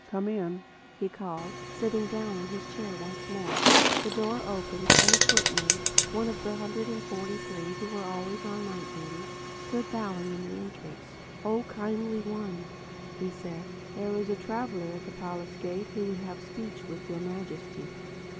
"Come in," he called, sitting down in his chair once more. The door opened and a footman—one of the hundred and forty three who were always on night duty—stood bowing in the entrance. "Oh, Kindly One," said he, "there is a traveler at the palace gate who would have speech with Your Majesty."